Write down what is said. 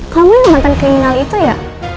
kamu yang mantan kriminal itu ya